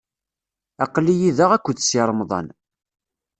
Aql-iyi da akked Si Remḍan.